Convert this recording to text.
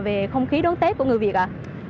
về không khí đón tết của người việt ạ